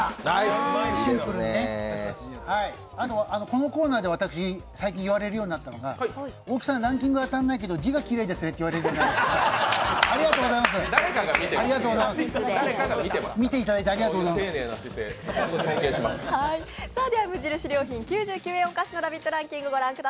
このコーナーで私、最近言われるようになったのが大木さんランキング当たらないけど字がきれいですねっていわれるようになりました。